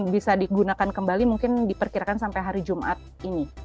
bisa digunakan kembali mungkin diperkirakan sampai hari jumat ini